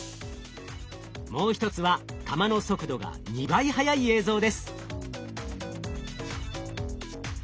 もう一つは球の速度が２倍速い映像です。